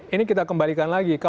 ini kita kembalikan lagi